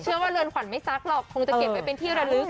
ว่าเรือนขวัญไม่ซักหรอกคงจะเก็บไว้เป็นที่ระลึก